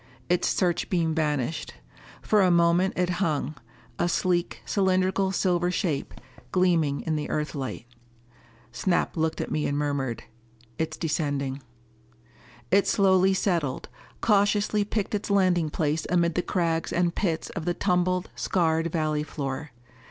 Its searchbeam vanished. For a moment it hung, a sleek, cylindrical silver shape, gleaming in the Earthlight. Snap looked at me and murmured, "It's descending." It slowly settled, cautiously picked its landing place amid the crags and pits of the tumbled, scarred valley floor.